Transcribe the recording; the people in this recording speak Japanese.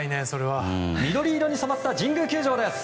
緑色に染まった神宮球場です。